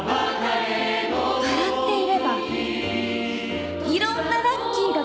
笑っていればいろんなラッキーが